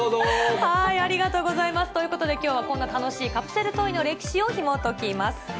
ありがとうございますということで、きょうは、こんな楽しいカプセルトイの歴史をひもときます。